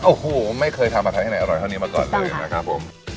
โอ้โหไม่เคยทำผัดไทยที่ไหนอร่อยเท่านี้มาก่อนเลยนะครับผม